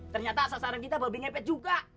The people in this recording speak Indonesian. ternyata sasaran kita babi ngepet juga